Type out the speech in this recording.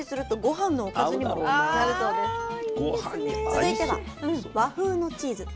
続いては「和風」のチーズ。